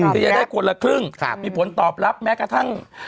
จะได้คนละครึ่งมีผลตอบรับแม้กระทั่ง